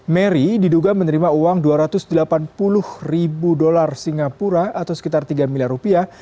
mary diduga menerima uang dua ratus delapan puluh ribu dolar singapura atau sekitar tiga miliar rupiah